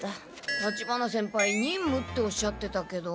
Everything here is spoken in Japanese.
立花先輩にんむっておっしゃってたけど。